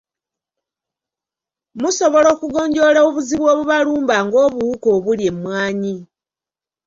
Musobola okugonjoola obuzibu obubalumba ng'obuwuka obulya emmwanyi.